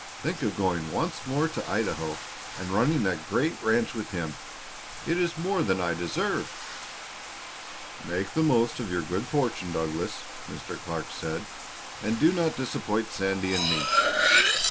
"Think of going once more to Idaho and running that great ranch with him! It is more than I deserve." "Make the most of your good fortune, Douglas," Mr. Clark said, "and do not disappoint Sandy and me."